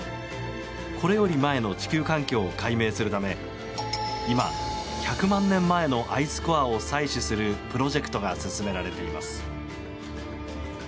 これより前の地球環境を解明するため今、１００万年前のアイスコアを採取するプロジェクトが進められています。